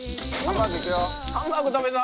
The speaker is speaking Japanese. ハンバーグいくよ！